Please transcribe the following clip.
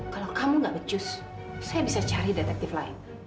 kalau kamu gak becus saya bisa cari detektif lain